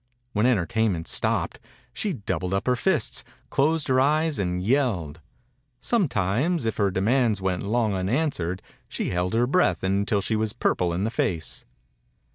When entertainment stopped she doubled up her fists, closed her eyes and yelled. Some times, if her demands went long unanswered, she held her breath until she was purple in the face.